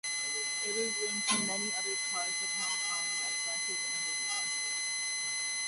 It is linked to many other parts of Hong Kong by buses and mini-buses.